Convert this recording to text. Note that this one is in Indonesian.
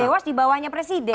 dewas dibawahnya presiden